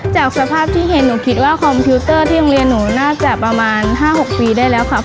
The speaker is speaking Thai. จากสภาพที่เห็นหนูคิดว่าคอมพิวเตอร์ที่โรงเรียนหนูน่าจะประมาณ๕๖ปีได้แล้วค่ะ